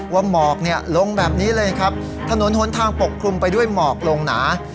หมอกเนี่ยลงแบบนี้เลยครับถนนหนทางปกคลุมไปด้วยหมอกลงหนา